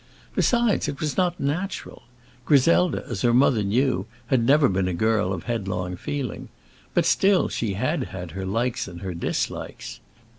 Besides, it was not natural. Griselda, as her mother knew, had never been a girl of headlong feeling; but still she had had her likes and her dislikes.